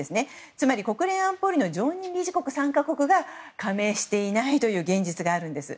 つまり、国連安保理の常任理事国３か国が加盟していないという現実があるんです。